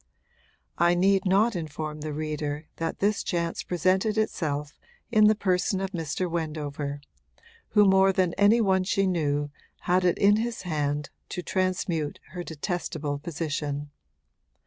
I need not inform the reader that this chance presented itself in the person of Mr. Wendover, who more than any one she knew had it in his hand to transmute her detestable position.